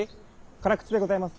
辛口でございます。